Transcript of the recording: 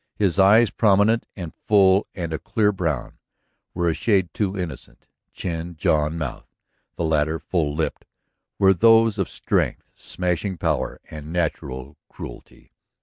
His eyes, prominent and full and a clear brown, were a shade too innocent. Chin, jaw, and mouth, the latter full lipped, were those of strength, smashing power, and a natural cruelty.